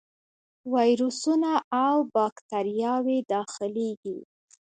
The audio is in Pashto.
ویروسونه او باکتریاوې داخليږي.